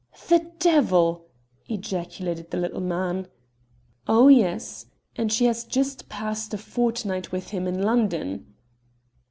"The devil!" ejaculated the little man. "Oh, yes; and she has just passed a fortnight with him in London."